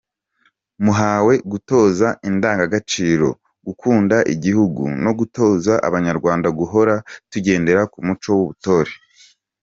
Muhawe gutoza indangagaciro, gukunda igihugu no gutoza abanyarwanda guhora tugendera ku muco w’ubutore.